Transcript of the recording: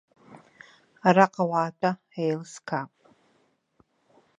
Араҟа уаатәа, еилыскаап.